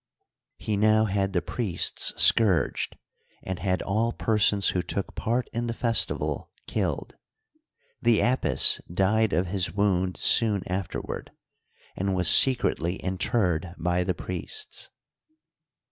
He now had the priests scourged, and had all persons who took part in the festival kiUed. The Apis died of his wound soon afterward, and was scr cretly interred by the priests.